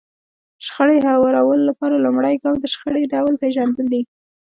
د شخړې هوارولو لپاره لومړی ګام د شخړې ډول پېژندل دي.